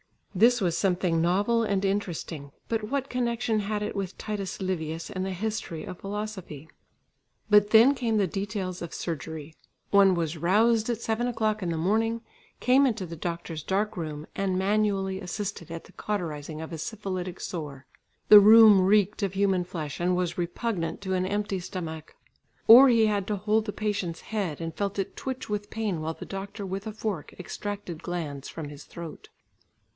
This was something novel and interesting, but what connection had it with Titus Livius and the history of philosophy? But then came the details of surgery. One was roused at seven o'clock in the morning, came into the doctor's dark room, and manually assisted at the cauterising of a syphilitic sore. The room reeked of human flesh, and was repugnant to an empty stomach. Or he had to hold a patient's head and felt it twitch with pain while the doctor with a fork extracted glands from his throat.